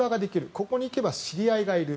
ここに行けば知り合いがいる。